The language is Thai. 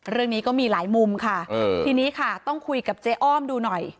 เรื่องนี้ก็มีหลายมุมค่ะทีนี้ค่ะต้องคุยกับเจ๊อ้อมดูหน่อย